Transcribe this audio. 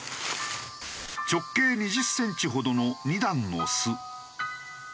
直径２０センチほどの２段の巣。